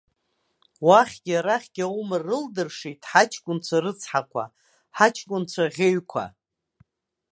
Уахьгьы-арахьгьы аума рылдыршеит ҳаҷкәынцәа рыцҳақәа, ҳаҷкәынцәа ӷьеҩқәа!